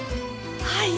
はい。